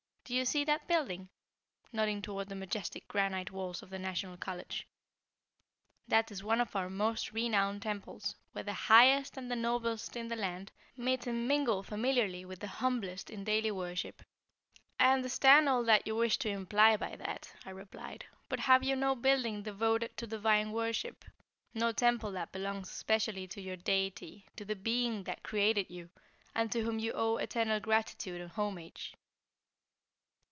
Do you see that building?" nodding toward the majestic granite walls of the National College. "That is one of our most renowned temples, where the highest and the noblest in the land meet and mingle familiarly with the humblest in daily worship." "I understand all that you wish to imply by that," I replied. "But have you no building devoted to divine worship; no temple that belongs specially to your Deity; to the Being that created you, and to whom you owe eternal gratitude and homage?"